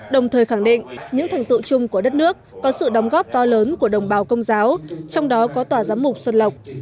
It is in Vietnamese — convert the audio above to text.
đồng thời khẳng định những thành tựu chung của đất nước có sự đóng góp to lớn của đồng bào công giáo trong đó có tòa giám mục xuân lộc